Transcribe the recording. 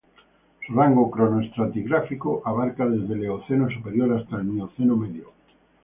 Su rango cronoestratigráfico abarca desde el Eoceno superior hasta el Mioceno medio.